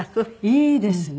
いいですね。